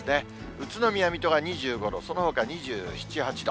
宇都宮、水戸が２５度、そのほか２７、８度。